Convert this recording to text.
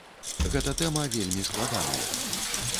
Гэта тэма вельмі складаная.